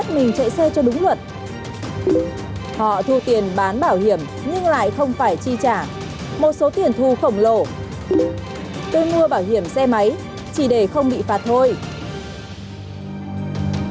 tôi mua bảo hiểm xe máy chỉ để không bị phạt thôi